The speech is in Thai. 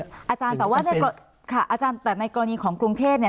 อาจารย์แต่ว่าในกรณีของกรุงเทพเนี่ย